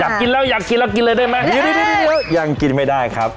กินแล้วอยากกินแล้วกินเลยได้ไหมยังกินไม่ได้ครับ